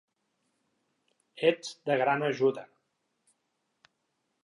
Ets de gran ajuda.